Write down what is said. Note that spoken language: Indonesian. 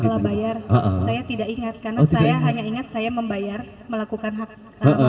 setelah bayar saya tidak ingat karena saya hanya ingat saya membayar melakukan hak